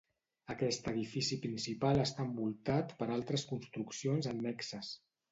Aquest edifici principal està envoltat per altres construccions annexes.